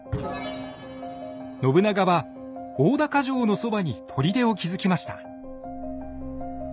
信長は大高城のそばに砦を築きました。